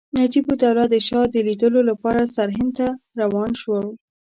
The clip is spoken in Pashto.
نجیب الدوله د شاه د لیدلو لپاره سرهند ته روان شوی.